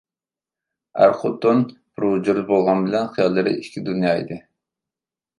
ئەر-خوتۇن بىر ھۇجرىدا بولغان بىلەن خىياللىرى ئىككى دۇنيا ئىدى.